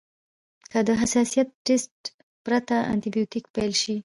که د حساسیت ټسټ پرته انټي بیوټیک پیل شي.